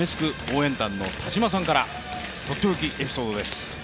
応援団の田島さんからとっておきエピソードです。